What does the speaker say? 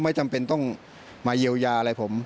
ไม่จำเป็นต้องมาเยียวยาอะไรผม